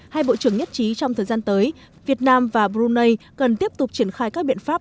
hai bộ trưởng nhất trí trong thời gian tới việt nam và brunei cần tiếp tục triển khai các biện pháp